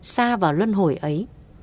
xa vào luân hồi ấy